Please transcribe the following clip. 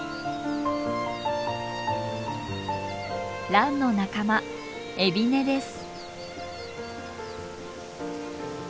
ランの仲間エビネです。